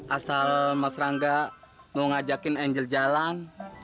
asal mas rangga mau ngajakin angel jalan